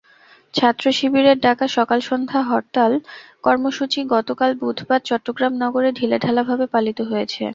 ছাত্রশিবিরের ডাকা সকাল-সন্ধ্যা হরতাল কর্মসূচি গতকাল বুধবার চট্টগ্রাম নগরে ঢিলেঢালাভাবে পালিত হয়েছে।